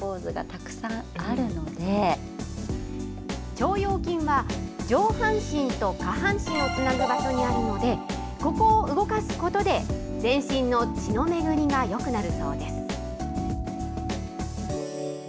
腸腰筋は、上半身と下半身をつなぐ場所にあるので、ここを動かすことで、全身の血の巡りがよくなるそうです。